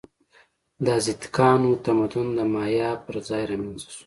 د ازتکانو تمدن د مایا پر ځای رامنځته شو.